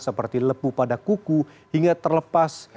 seperti lepu pada kuku hingga terlepas